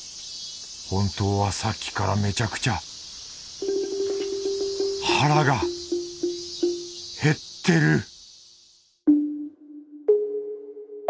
本当はさっきからめちゃくちゃ腹が減ってる